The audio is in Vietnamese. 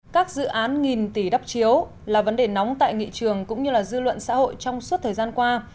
các dự án nghìn tỷ đắp chiếu là vấn đề nóng tại nghị trường cũng như dư luận xã hội trong suốt thời gian qua